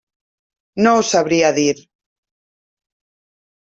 No ho sabria dir.